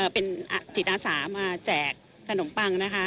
เป็นจิตอาสามาแจกขนมปังนะคะ